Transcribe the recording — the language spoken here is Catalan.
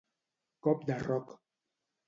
Cop de roc.